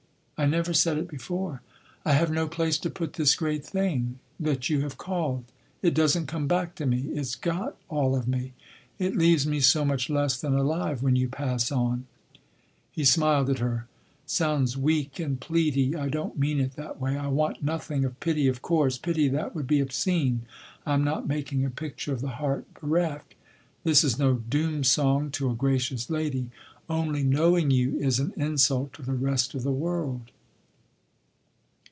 I never said it before. I have no place to put this great thing—that you have called. It doesn’t come back to me. It’s got all of me. It leaves me so much less than alive—when you pass on." He smiled at her. "Sounds weak and pleady. I don’t mean it that way. I want nothing of pity, of course. Pity, that would be obscene. I’m not making a picture of the heart bereft. This is no doom song to a gracious lady—only knowing you is an insult to the rest of the world."